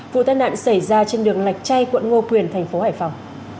vụ tai nạn xảy ra trên đường lạch chay quận ngô quyền tp hcm